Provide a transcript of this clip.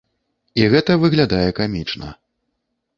І гэта выглядае камічна.